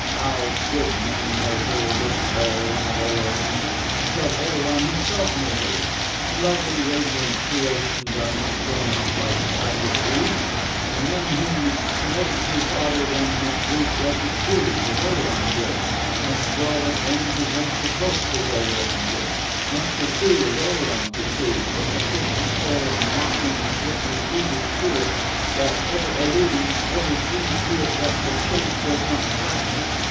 How should men know her, this Fair One of Oleron's, until Oleron himself knew her? Lovely radiant creations are not thrown off like How d'ye do's. The men to whom it is committed to father them must weep wretched tears, as Oleron did, must swell with vain presumptuous hopes, as Oleron did, must pursue, as Oleron pursued, the capricious, fair, mocking, slippery, eager Spirit that, ever eluding, ever sees to it that the chase does not slacken.